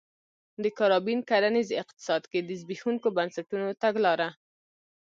د کارابین کرنیز اقتصاد کې د زبېښونکو بنسټونو تګلاره